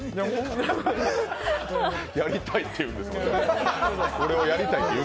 やりたいって言うんですもん。